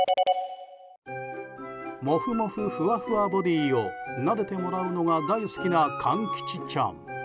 モフモフふわふわボディーをなでてもらうのが大好きな勘吉ちゃん。